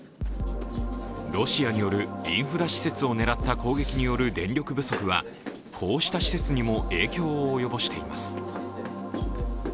ロシアによるインフラ施設を狙った攻撃による電力不足はこうした施設にも影響を及ぼしています。